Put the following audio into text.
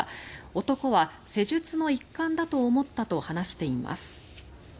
男は施術の一環だと思ったと話しています。